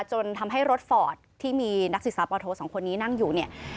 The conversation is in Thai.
จนทำให้รถฝอดที่มีนักศึกสาวป่อโทสองคนนี้นั่งอยู่